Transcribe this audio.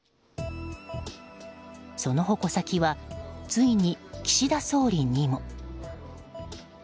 その矛先は、ついに岸田総理にも。